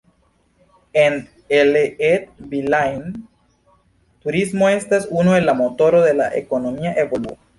En Ille-et-Vilaine, turismo estas unu el la motoroj de la ekonomia evoluo.